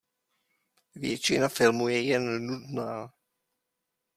Většina filmu je jen nudná.